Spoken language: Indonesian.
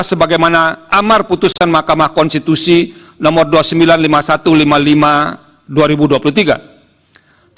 sebagaimana amar putusan mahkamah konstitusi nomor dua puluh sembilan lima puluh satu lima puluh lima dua ribu dua puluh tiga